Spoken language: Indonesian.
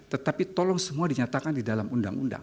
tetapi tolong semua dinyatakan di dalam undang undang